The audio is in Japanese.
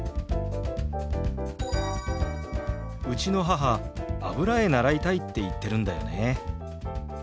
うちの母油絵習いたいって言ってるんだよね。